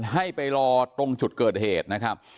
ให้ไปรอตรงจุดเกิดเหตุนะครับ